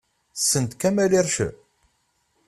Ssnent Kamel Ircen?